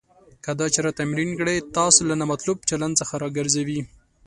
که دا چاره تمرین کړئ. تاسو له نامطلوب چلند څخه راګرځوي.